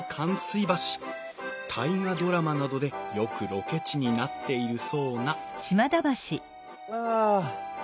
「大河ドラマ」などでよくロケ地になっているそうなあ。